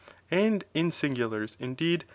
And in singulars, indeed, .